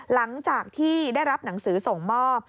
หลังจากที่ได้รับหนังสือส่งมอบ